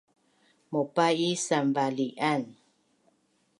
maupa’i sanvali’an